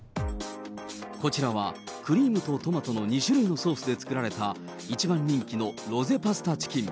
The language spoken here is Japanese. こちらは、クリームとトマトの２種類のソースで作られた、一番人気のロゼパスタチキン。